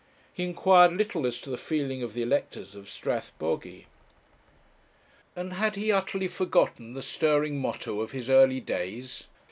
He inquired little as to the feeling of the electors of Strathbogy. And had he utterly forgotten the stirring motto of his early days?